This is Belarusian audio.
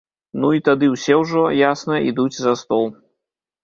Ну і тады ўсе ўжо, ясна, ідуць за стол.